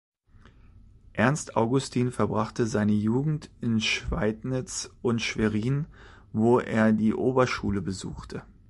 Ernst Augustin verbrachte seine Jugend in Schweidnitz und Schwerin, wo er die Oberschule besuchte.